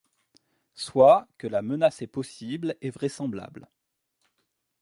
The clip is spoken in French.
Soit que la menace est possible et vraisemblable.